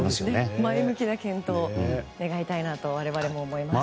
前向きな検討を願いたいなと我々も思います。